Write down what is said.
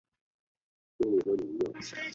蒙古化色目人。